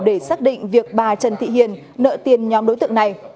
để xác định việc bà trần thị hiền nợ tiền nhóm đối tượng này